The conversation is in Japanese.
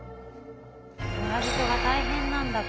村人が大変なんだから。